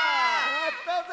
やったぜ！